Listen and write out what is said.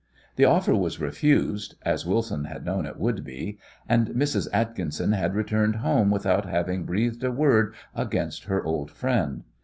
The offer was refused as Wilson had known it would be and Mrs. Atkinson had returned home without having breathed a word against her old friend.